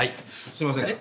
すいませんね。